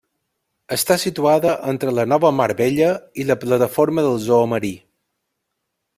Està situada entre la Nova Mar Bella i la plataforma del Zoo marí.